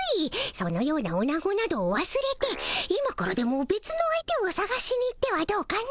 そのようなオナゴなどわすれて今からでもべつの相手をさがしに行ってはどうかの。